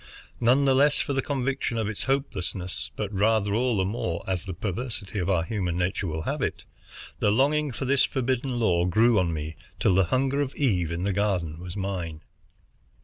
None the less for the conviction of its hopelessness, but rather all the more, as the perversity of our human nature will have it, the longing for this forbidden lore grew on me, till the hunger of Eve in the Garden was mine.